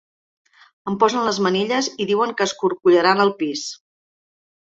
Em posen les manilles i diuen que escorcollaran el pis.